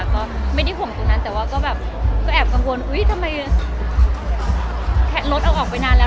ก็ไม่ได้ห่มตรงนั้นแต่ว่าก็แบบก็แอบกังวลอุ๊ยทำไมรถเอาออกไปนานแล้ว